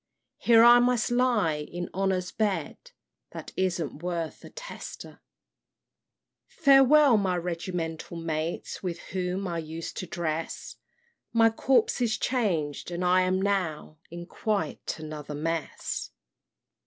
Here I must lie in Honor's bed, That isn't worth a tester! "Farewell, my regimental mates, With whom I used to dress! My corps is changed, and I am now In quite another mess.